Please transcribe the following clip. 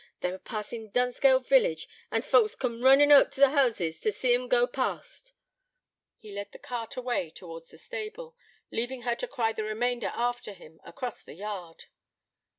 They were passin' Dunscale village, an't' folks coom runnin' oot o' houses t' see 'em go past ' He led the cart away towards the stable, leaving her to cry the remainder after him across the yard.